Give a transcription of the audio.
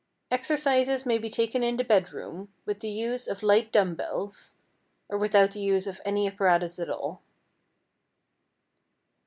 Exercises may be taken in the bedroom, with the use of light dumb bells, or without the use of any apparatus at all.